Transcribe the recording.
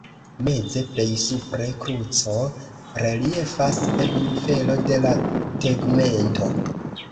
Meze plej supre kruco reliefas en nivelo de la tegmento.